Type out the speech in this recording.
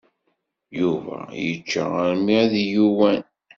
Yuba yečča armi ay yuwan.